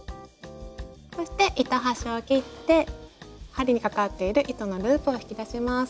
そして糸端を切って針にかかっている糸のループを引き出します。